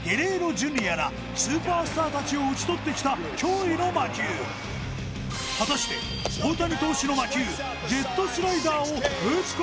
Ｊｒ．らスーパースター達を打ち取ってきた驚異の魔球果たして大谷投手の魔球